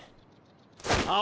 あ。